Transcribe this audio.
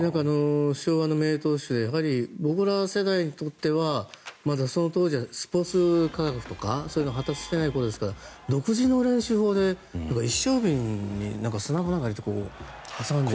昭和の名投手で僕ら世代にとってはその当時はスポーツ科学とかそういうのが発達してない頃ですから独自の練習法で一升瓶に砂なんかを入れて挟んで。